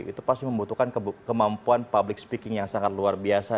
itu pasti membutuhkan kemampuan public speaking yang sangat luar biasa